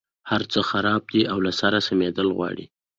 هرڅه خراب دي او له سره سمېدل غواړي.